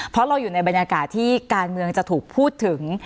เพราะเราอยู่ในบรรยากาศที่การเมืองจะถูกพูดถึง